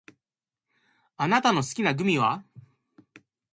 あなたの好きなグミは？